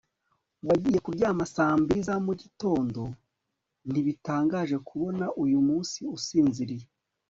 wagiye kuryama saa mbiri za mugitondo? ntibitangaje kubona uyu munsi usinziriye